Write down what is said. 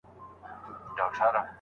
نه یې وېره د خالق نه د انسان وه